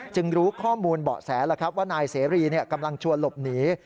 รู้ข้อมูลเบาะแสแล้วครับว่านายเสรีกำลังชวนหลบหนี